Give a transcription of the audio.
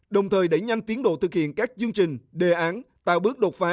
đồng thời đẩy nhanh tiến độ thực hiện các chương trình đề án tạo bước đột phá